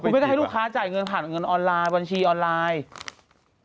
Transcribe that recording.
ไม่ได้ให้ลูกค้าจ่ายเงินผ่านเงินออนไลน์บัญชีออนไลน์